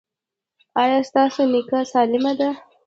ایا ستاسو نیوکه سالمه ده؟